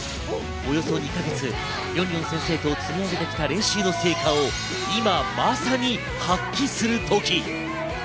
およそ２か月、りょりょん先生とつむいできた練習の成果を今まさに発揮するとき。